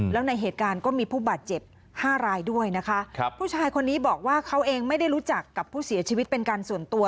แล้วในเหตุการณ์ก็มีผู้บาดเจ็บห้ารายด้วยนะคะครับผู้ชายคนนี้บอกว่าเขาเองไม่ได้รู้จักกับผู้เสียชีวิตเป็นการส่วนตัว